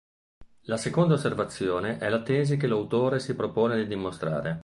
La seconda osservazione è la tesi che l'autore si propone di dimostrare.